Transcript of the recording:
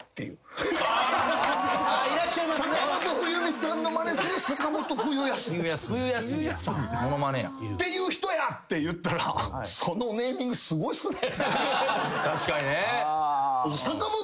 坂本冬美さんのマネする坂本冬休みさん。っていう人やって言ったら「そのネーミングすごいっすね」